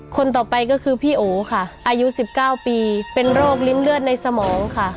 คนต่อไปก็คือพี่โอค่ะอายุ๑๙ปีเป็นโรคลิ้นเลือดในสมองค่ะ